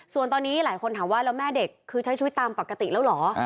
ส่วนตอนนี้หลายคนถามว่าแล้วแม่เด็กคือใช้ชีวิตตามปกติแล้วเหรอ